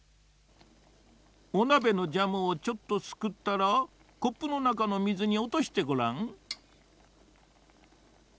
おなべのジャムをちょっとすくったらコップのなかの水におとしてごらん。